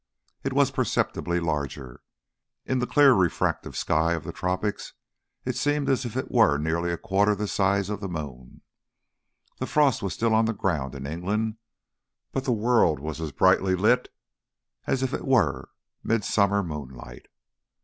It was perceptibly larger; in the clear refractive sky of the tropics it seemed as if it were nearly a quarter the size of the moon. The frost was still on the ground in England, but the world was as brightly lit as if it were midsummer moonlight.